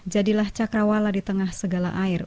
jadilah cakrawala di tengah segala air